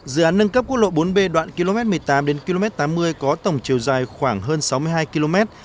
dự án nâng cấp quốc lộ bốn b đoạn km một mươi tám đến km tám mươi có tổng chiều dài khoảng hơn sáu mươi hai km